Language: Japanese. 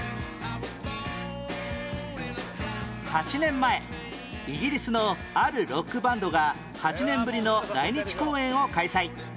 ８年前イギリスのあるロックバンドが８年ぶりの来日公演を開催